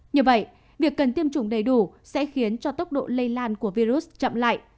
như vậy việc cần tiêm chủng đầy đủ sẽ khiến cho tốc độ lây lan của virus chậm lại